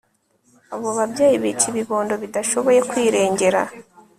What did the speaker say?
abo babyeyi bica ibibondo bidashoboye kwirengera